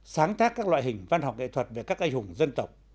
sáng tác các loại hình văn học nghệ thuật về các anh hùng dân tộc